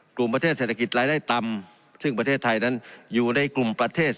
กลุ่มประเทศเศรษฐกิจรายได้ต่ำซึ่งประเทศไทยนั้นอยู่ในกลุ่มประเทศ